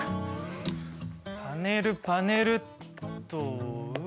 パネルパネルっと。